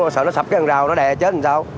sợ nó sập cái hàng rào nó đè chết làm sao